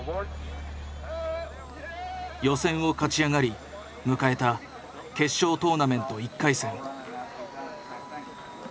予選を勝ち上がり迎えた決勝トーナメント１回戦。